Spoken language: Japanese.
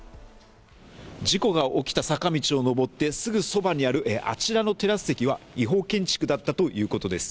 事故が起きた坂道を上って、すぐそばにあるあちらのテラス席は違法建築だったということです。